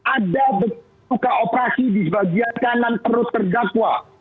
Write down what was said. ada luka operasi di sebagian kanan perut terdakwa